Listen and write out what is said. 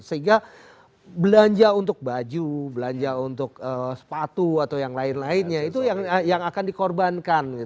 sehingga belanja untuk baju belanja untuk sepatu atau yang lain lainnya itu yang akan dikorbankan